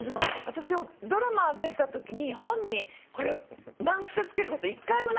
私ドラマ出た時に本に難癖つけること１回もないんです。